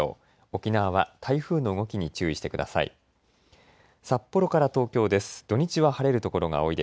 沖縄は台風の動きに注意してください。